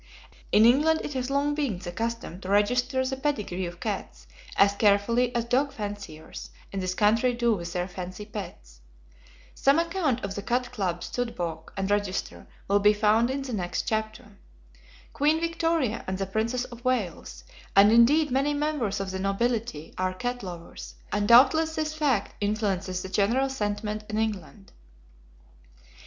In England it has long been the custom to register the pedigree of cats as carefully as dog fanciers in this country do with their fancy pets. Some account of the Cat Club Stud Book and Register will be found in the next chapter. Queen Victoria, and the Princess of Wales, and indeed many members of the nobility are cat lovers, and doubtless this fact influences the general sentiment in England.